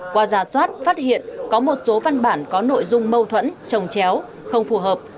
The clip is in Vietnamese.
qua giả soát phát hiện có một số văn bản có nội dung mâu thuẫn trồng chéo không phù hợp